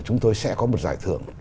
chúng tôi sẽ có một giải thưởng